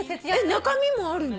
中身もあるの？